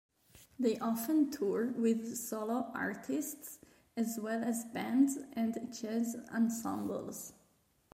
They often tour with solo artists as well as bands and jazz ensembles.